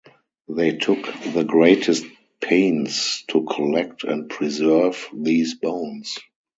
They took the greatest pains to collect and preserve these bones.